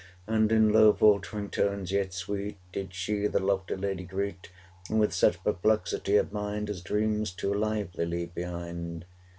And in low faltering tones, yet sweet, Did she the lofty lady greet With such perplexity of mind 385 As dreams too lively leave behind.